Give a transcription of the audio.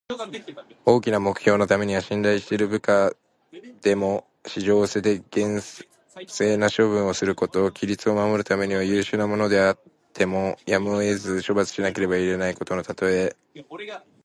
大きな目的のためには信頼している部下でも、私情を捨てて、厳正な処分をすること。規律を保つためには、優秀な者であってもやむを得ず処罰しなければならないことのたとえ。「馬謖」は中国の三国時代の人の名前。「泣いて馬謖を斬る」とも読み、この形で使うことが多い言葉。